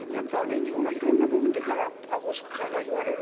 日本が色んな部分でガラパゴス化がいわれる。